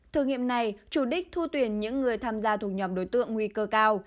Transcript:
thử nghiệm này chủ đích thu tuyển những người tham gia thuộc nhóm đối tượng nguy cơ cao